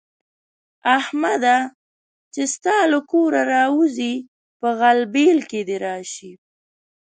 احمده! چې ستا له کوره راځي؛ په غلبېل کې دې راشي.